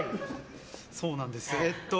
そうなんです。